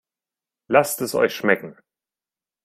Lasst es euch schmecken!